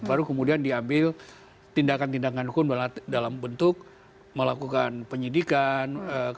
baru kemudian diambil tindakan tindakan hukum dalam bentuk melakukan penyidikan